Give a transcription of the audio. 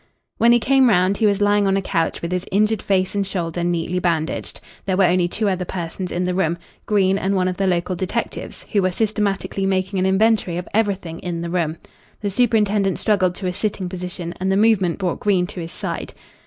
When he came round he was lying on a couch with his injured face and shoulder neatly bandaged. There were only two other persons in the room, Green and one of the local detectives, who were systematically making an inventory of everything in the room. The superintendent struggled to a sitting position and the movement brought Green to his side.